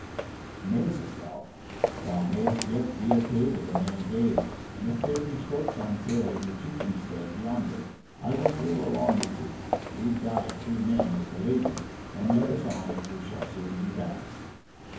"Nay," said Ralph, "thou mayst yet be apaid of a man's aid; and if there be strokes on sale in the cheaping stead yonder, I will deal along with thee. Leave thy three men with the Lady, and let us on; we shall soon be back."